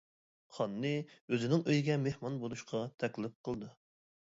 خاننى ئۆزىنىڭ ئۆيىگە مېھمان بولۇشقا تەكلىپ قىلدى.